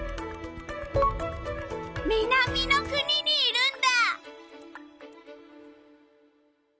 南の国にいるんだ。